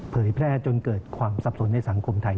เผยแพร่จนเกิดความสับสนในสังคมไทย